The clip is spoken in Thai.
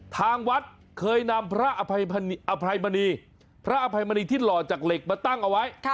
ทางวัดเคยนำพระอภัยมณีพระอภัยมณีที่หล่อจากเหล็กมาตั้งเอาไว้